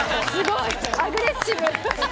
アグレッシブ！